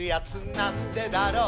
「なんでだろう」